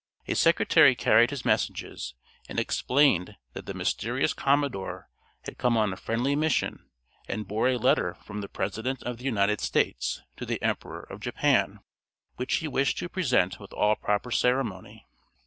A secretary carried his messages, and explained that the mysterious commodore had come on a friendly mission and bore a letter from the President of the United States to the Emperor of Japan, which he wished to present with all proper ceremony.